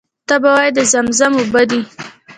ته به وایې د زمزم اوبه دي.